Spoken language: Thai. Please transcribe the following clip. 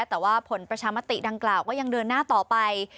แต่ว่าผลประชามติดังกล่าวก็ยังเดินหน้าต่อไป